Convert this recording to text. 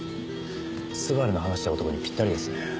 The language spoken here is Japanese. スバルの話した男にぴったりですね。